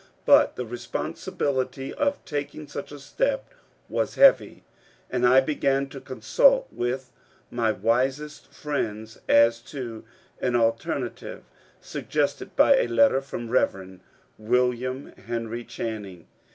But the responsibility of taking such a step was heavy, and I began to consult with my wisest friends as to an alternative suggested by a letter from Rev. William Henry Channing.